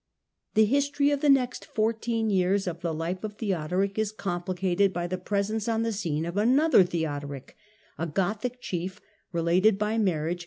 The history of the next fourteen years of the life of Theodoric is complicated by the presence on the scene Theodorie, of another Theodoric, a Gothic chief related by marriage ^."